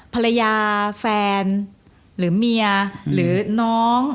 ภรรยาแฟนหรือเมียหรือน้อง